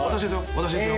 私ですよ